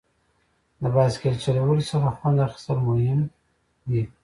د بایسکل چلولو څخه خوند اخیستل مهم دي.